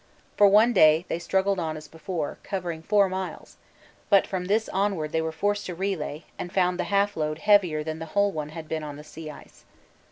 For one day they struggled on as before, covering 4 miles, but from this onward they were forced to relay, and found the half load heavier than the whole one had been on the sea ice.